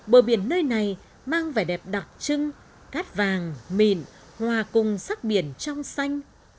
bờ biển nơi này mang vẻ đẹp đặc trưng cát vàng mịn hòa cùng sắc biển trong xanh